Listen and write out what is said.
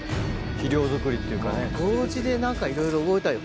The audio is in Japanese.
肥料作りっていうかね。